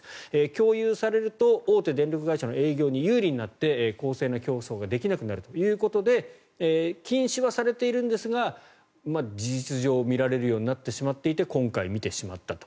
共有されると大手電力会社の営業に有利になって公正な競争ができなくなるということで禁止はされているんですが事実上、見られるようになってしまっていて今回、見てしまったと。